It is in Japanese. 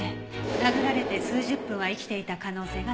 殴られて数十分は生きていた可能性が高い。